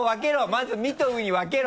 まず「み」と「う」に分けろ！